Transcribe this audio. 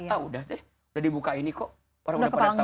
ah udah sih udah dibuka ini kok